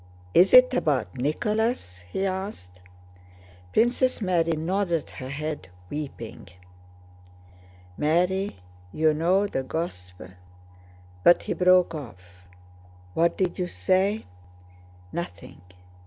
"Is it about Nicholas?" he asked. Princess Mary nodded her head, weeping. "Mary, you know the Gosp..." but he broke off. "What did you say?" "Nothing.